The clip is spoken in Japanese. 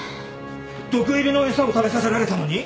毒入りの餌を食べさせられたのに？